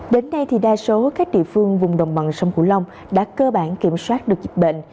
đến nay đa số các địa phương vùng đồng bằng sông cửu long đã cơ bản kiểm soát được dịch bệnh